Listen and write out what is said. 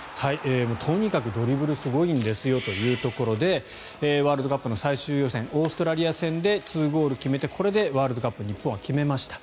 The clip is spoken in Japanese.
とにかくドリブルすごいんですよというところでワールドカップ最終予選オーストラリア戦で２ゴール決めてこれでワールドカップを日本は決めました。